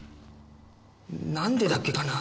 なんでだっけかな？